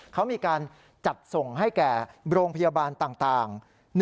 เขามีการจัดส่งให้แก่โรงพยาบาลต่าง